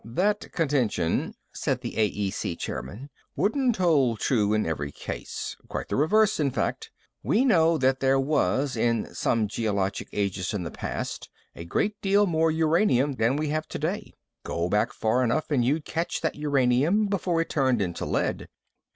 "That contention," said the AEC chairman, "wouldn't hold true in every case. Quite the reverse, in fact. We know that there was, in some geologic ages in the past, a great deal more uranium than we have today. Go back far enough and you'd catch that uranium before it turned into lead.